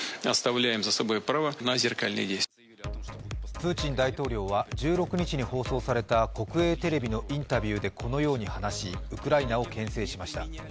プーチン大統領は１６日に放送された国営テレビのインタビューでこのように話しウクライナをけん制しました。